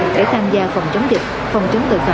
để tham gia phòng chống dịch phòng chống tội phạm